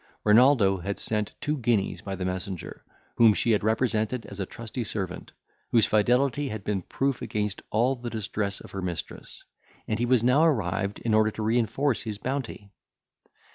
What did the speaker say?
Renaldo had sent two guineas by the messenger, whom she had represented as a trusty servant, whose fidelity had been proof against all the distress of her mistress; and he was now arrived in order to reinforce his bounty.